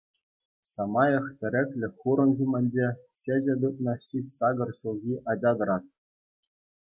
Самаях тӗреклӗ хурӑн ҫумӗнче çĕçĕ тытнӑ ҫич-сакӑр ҫулхи ача тӑрать.